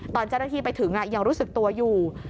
ตอนเจ้าหน้าที่ไปถึงยังรู้สึกตัวอยู่